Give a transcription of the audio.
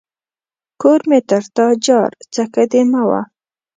کور مې تر تا جار ، څکه دي مه وه.